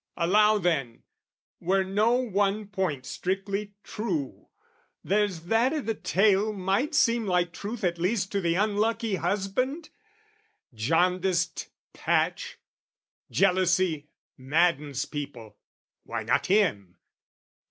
Allow then, were no one point strictly true, There's that i' the tale might seem like truth at least To the unlucky husband, jaundiced patch, Jealousy maddens people, why not him?